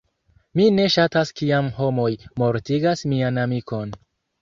Mi ne ŝatas kiam homoj mortigas mian amikon.